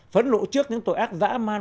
phẫn lộ trước những tội ác dã man